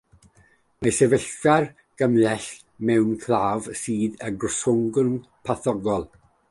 Mae'r sefyllfa'n gymhleth mewn claf sydd â thorasgwrn patholegol.